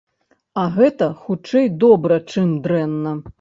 А гэта хутчэй добра, чым дрэнна.